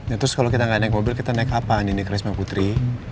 ya terus kalau kita gak naik mobil kita naik apa andi ndek risma putri